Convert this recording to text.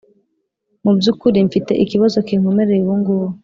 mubyukuri mfite ikibazo kinkomereye ubungubu